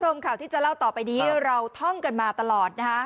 คุณผู้ชมข่าวที่จะเล่าต่อไปนี้เราท่องกันมาตลอดนะฮะ